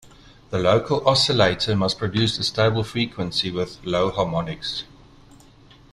The local oscillator must produce a stable frequency with low harmonics.